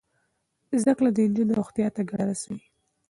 زده کړه د نجونو روغتیا ته ګټه رسوي.